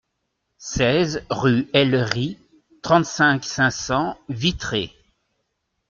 seize rue Hellerie, trente-cinq, cinq cents, Vitré